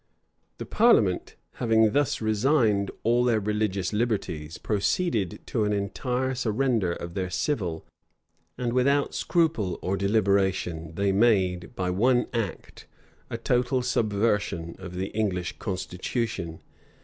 The parliament, having thus resigned all their religious liberties, proceeded to an entire surrender of their civil; and without scruple or deliberation they made, by one act, a total subversion of the English constitution.